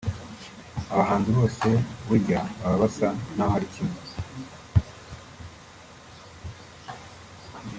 abahanzi bose burya baba basa n’aho ari kimwe